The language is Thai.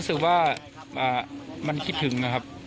ก็ตอบได้คำเดียวนะครับ